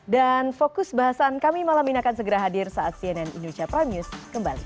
dan fokus bahasan kami malam ini akan segera hadir saat cnn indonesia prime news kembali